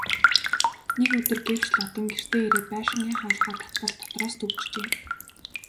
Нэг өдөр гэвш Лодон гэртээ ирээд байшингийн хаалгаа татвал дотроос түгжжээ.